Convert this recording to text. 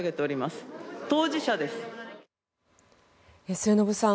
末延さん